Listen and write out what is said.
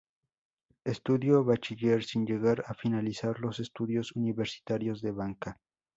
Estudió bachiller, sin llegar a finalizar los estudios universitarios de Banca.